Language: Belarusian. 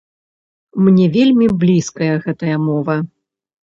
Мне вельмі блізкая гэтая мова.